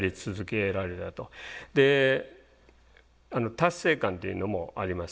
で達成感っていうのもあります。